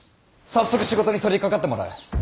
早速仕事に取りかかってもらう。